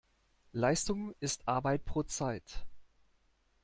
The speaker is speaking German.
Leistung ist Arbeit pro Zeit.